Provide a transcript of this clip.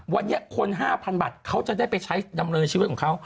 วันนี้คน๕๐๐๐บาทเขาจะได้ไปใช้ดำเนินชีวิตของเขา